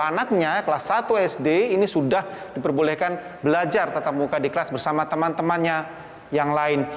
anaknya kelas satu sd ini sudah diperbolehkan belajar tetap muka di kelas bersama teman temannya yang lain